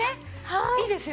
はい。